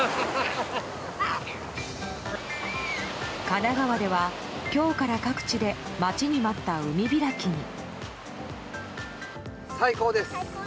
神奈川では、今日から各地で待ちに待った海開きに。